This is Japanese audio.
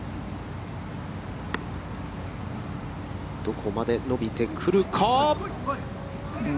どこまで伸びてくるか。